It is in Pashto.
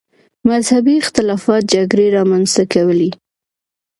مذهبي اختلافات جګړې رامنځته کولې.